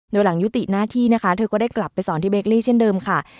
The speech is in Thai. โดยหลังยุติหน้าที่นะคะเธอก็ได้กลับไปสอนที่เบคลี่เช่นเดิมค่ะ